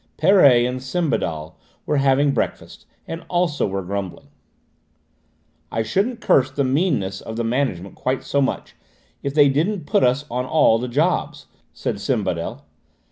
Perret and Sembadel were having breakfast, and also were grumbling. "I shouldn't curse the meanness of the management quite so much if they didn't put us on to all the jobs," said Sembadel.